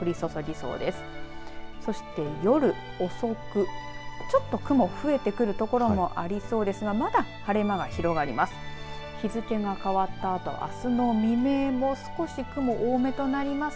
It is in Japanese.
そして、夜遅くちょっと雲、増えてくる所もありそうですがまだ晴れ間が広がります。